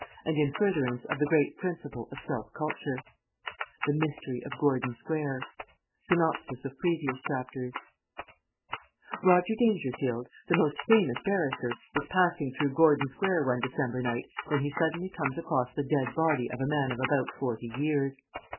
and in furtherance of the great principle of self culture] THE MYSTERY OF GORDON SQUARE SYNOPSIS OF PREVIOUS CHAPTERS Roger Dangerfield, the famous barrister, is passing through Gordon Square one December night when he suddenly comes across the dead body of a man of about forty years.